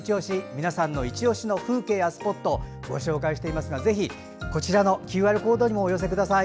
皆さんのいち押しの風景スポットなどをご紹介していますがぜひこちらのＱＲコードにもお寄せください。